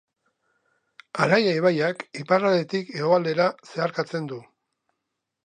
Ara ibaiak iparraldetik hegoaldera zeharkatzen du.